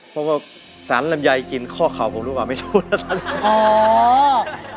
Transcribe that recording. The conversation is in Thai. เพราะว่าสารลำไยกินข้อเข่าผมดูกว่าไม่ชูดนะครับ